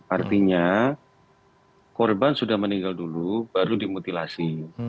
artinya korban sudah meninggal dulu baru dimutilasi